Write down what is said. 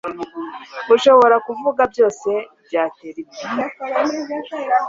Urashobora Kuvuga Byose bya Teletubbies